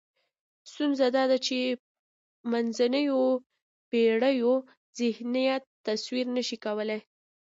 ستونزه دا ده چې منځنیو پېړیو ذهنیت تصور نشي کولای.